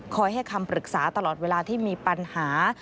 ให้คำปรึกษาตลอดเวลาที่มีปัญหา